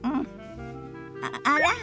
あら？